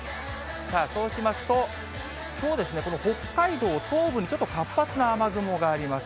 そうしますと、きょう、北海道東部に、ちょっと活発な雨雲があります。